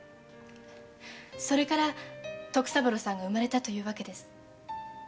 それから徳三郎さんが生まれたというわけです。